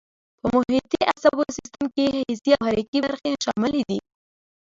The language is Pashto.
په محیطي اعصابو سیستم کې حسي او حرکي برخې شاملې دي.